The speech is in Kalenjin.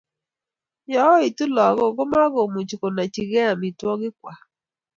ya oitu lagoik ko mukumuchi konaichigei amitwogikwak.